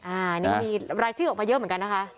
อันนี้มีรายชื่อออกมาเยอะเหมือนกันนะคะ